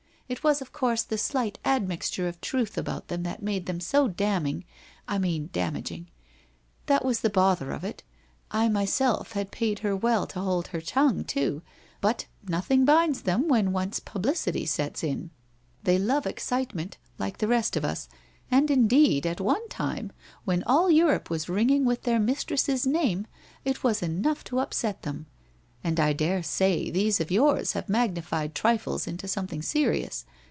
It was, of course, the slight admixture of truth about them that made them so damning — I mean damaging. That was the bother of it. I myself had paid her well to hold her tongue, too, but nothing binds them when once publicity sets in. They love excitement, like the rest of us, and indeed at one time when all Europe was ringing with their mistress's name, it was enough to upset them. And I daresay these of yours have magnified trifles into something serious.